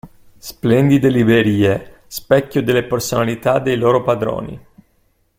Splendide librerie, specchio delle personalità dei loro padroni.